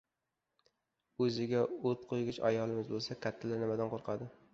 — O‘ziga o‘t qo‘ygich ayolimiz bo‘lsa, kattalar nimadan qo‘rqadi?